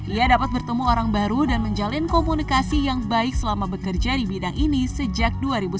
ia dapat bertemu orang baru dan menjalin komunikasi yang baik selama bekerja di bidang ini sejak dua ribu sembilan belas